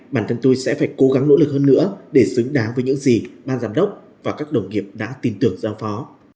bản thân tôi sẽ phải cố gắng nỗ lực hơn nữa để xứng đáng với những gì ban giám đốc và các đồng nghiệp đã tin tưởng giao phó